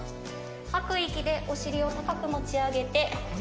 吐く息でお尻を高く持ち上げて。